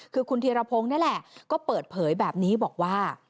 คือคุณธีรพงศ์นี่แหละก็เปิดเผยแบบนี้บอกว่า